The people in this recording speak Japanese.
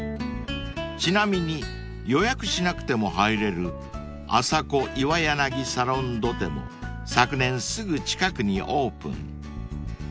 ［ちなみに予約しなくても入れるアサコイワヤナギサロンドテも昨年すぐ近くにオープン］